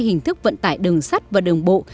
hình thức vận tải đường sắt và đường bộ